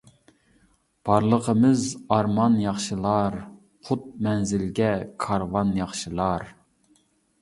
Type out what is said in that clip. بارلىقىمىز ئارمان ياخشىلار، قۇت مەنزىلگە كارۋان ياخشىلار.